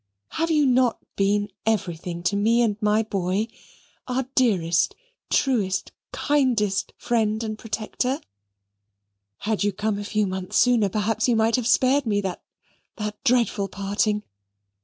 Have you not been everything to me and my boy? Our dearest, truest, kindest friend and protector? Had you come a few months sooner perhaps you might have spared me that that dreadful parting.